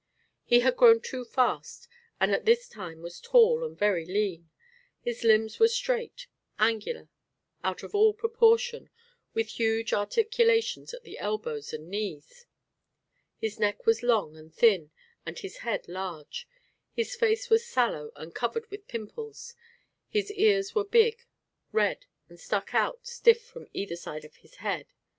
He had grown too fast and at this time was tall and very lean; his limbs were straight, angular, out of all proportion, with huge articulations at the elbows and knees. His neck was long and thin and his head large, his face was sallow and covered with pimples, his ears were big, red and stuck out stiff from either side of his head.